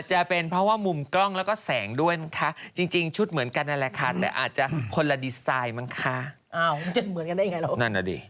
ฮคนราดีสไตล์มั้งค่ะ